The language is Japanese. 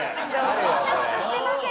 そんな事してません。